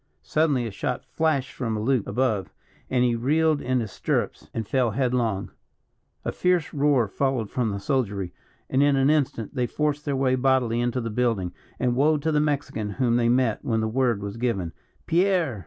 Suddenly a shot flashed from a loop above, and he reeled in his stirrups and fell headlong. A fierce roar followed from the soldiery; and, in an instant they forced their way bodily into the building, and woe to the Mexican whom they met when the word was given "Pierre!"